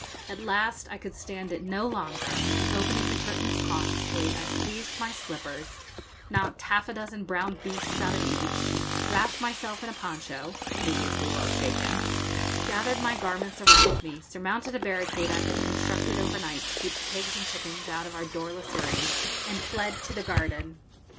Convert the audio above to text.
At last I could stand it no longer, and opening the curtains cautiously, I seized my slippers, knocked half a dozen brown beasts out of each, wrapped myself in a poncho previously well shaken gathered my garments around me, surmounted a barricade I had constructed overnight to keep the pigs and chickens out of our doorless room, and fled to the garden.